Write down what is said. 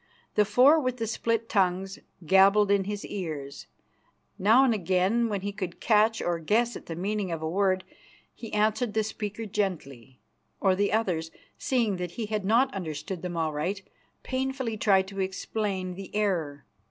The four with the split tongues gabbled in his ears. Now and again, when he could catch or guess at the meaning of a word, he answered the speaker gently; or the others, seeing that he had not understood them aright, painfully tried to explain the error.